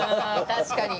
確かに。